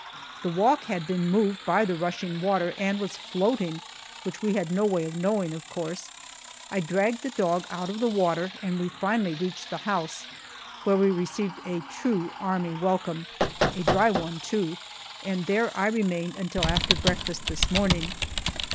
The walk had been moved by the rushing water, and was floating, which we had no way of knowing, of course. I dragged the dog out of the water, and we finally reached the house, where we received a true army welcome a dry one, too and there I remained until after breakfast this morning.